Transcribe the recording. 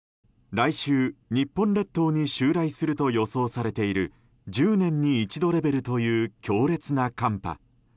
来週、日本列島に襲来すると予想されている１０年に一度レベルという強烈な寒波。